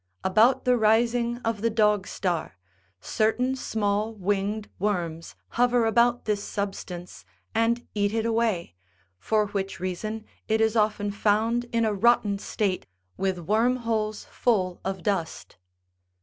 About the rising of the Dog star, certain small winged worms hover about this substance and eat it away, for which reason it is often found in a rotten state, with worm holes full of dust.